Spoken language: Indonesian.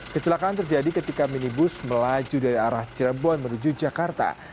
kecelakaan terjadi ketika minibus melaju dari arah cirebon menuju jakarta